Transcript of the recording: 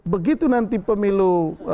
begitu nanti pemilu